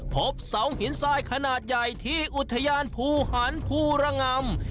พบเสาหินทรายขนาดใหญ่ที่อุทยานภูหันภูระงำ